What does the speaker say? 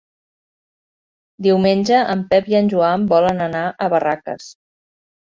Diumenge en Pep i en Joan volen anar a Barraques.